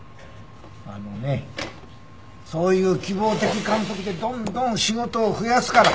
あのねえそういう希望的観測でどんどん仕事を増やすから。